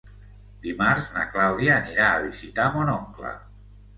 Dimarts na Clàudia anirà a visitar mon oncle.